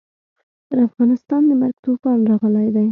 پر افغانستان د مرګ توپان راغلی دی.